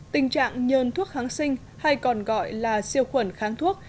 tình trạng nhờn thuốc kháng sinh hay còn gọi là siêu khuẩn kháng thuốc